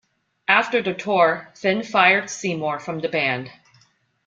After the tour, Finn fired Seymour from the band.